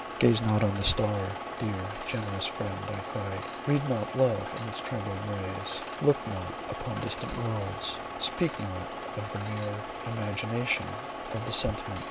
"Gaze not on the star, dear, generous friend," I cried, "read not love in its trembling rays; look not upon distant worlds; speak not of the mere imagination of a sentiment.